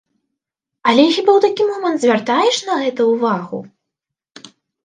Але хіба ў такі момант звяртаеш на гэта ўвагу?!